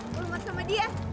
hormat sama dia